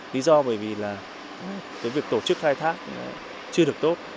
lý do bởi vì là cái việc tổ chức khai thác chưa được tốt